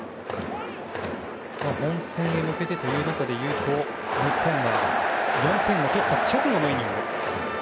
本戦へ向けてという中でいうと日本は４点を取った直後のイニング。